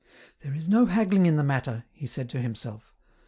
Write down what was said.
" There is no haggling in the matter," he said to himself.